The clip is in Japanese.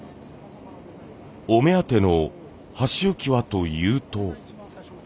お目当ての箸置きはというと。